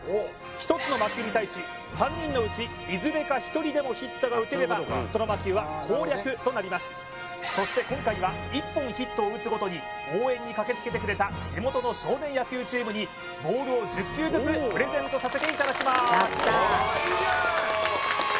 １つの魔球に対し３人のうちいずれか１人でもヒットが打てればその魔球は攻略となりますそして今回は１本ヒットを打つごとに応援に駆けつけてくれた地元の少年野球チームにボールを１０球ずつプレゼントさせていただきます